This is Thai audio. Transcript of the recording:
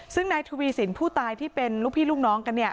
ซึ่งนายทวีสินผู้ตายที่เป็นลูกพี่ลูกน้องกันเนี่ย